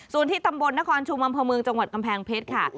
ส่วนที่ตำบลนครชูมัมพมึงจังหวัดกำแพงเพชรค่ะ